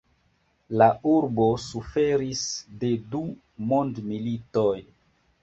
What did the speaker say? La urbo suferis de du mondmilitoj.